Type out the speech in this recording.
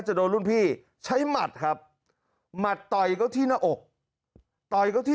จะโดนรุ่นพี่ใช้หมัดครับหมัดต่อยเขาที่หน้าอกต่อยเขาที่